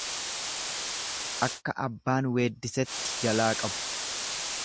Akka abbaan weeddisetti jalaa qabu.